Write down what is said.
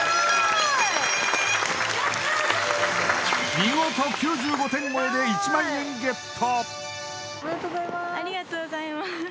見事９５点超えで１万円ゲット！